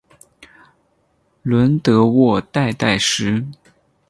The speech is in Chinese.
伦德沃代代什。